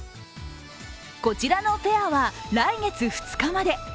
こちらのフェアは来月２日まで。